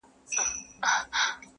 او مخ اړوي له خبرو تل,